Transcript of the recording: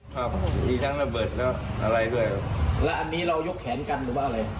ครับมีทั้งระเบิดและอะไรด้วยครับแล้วอันนี้เรายกแขนกันหรือว่าอะไร